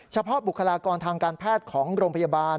เฉพาะบุคลากรทางการแพทย์ของโรงพยาบาล